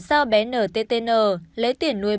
sau bé nttn lấy tiền nuôi